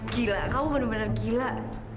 gila kamu benar benar gila